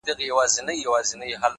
هوښیار انسان له تجربې نه ځواک اخلي’